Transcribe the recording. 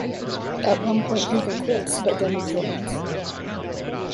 At one point he even quits, but then rejoins.